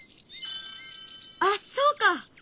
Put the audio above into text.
あっそうか！